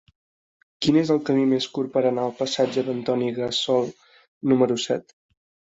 Quin és el camí més curt per anar al passatge d'Antoni Gassol número set?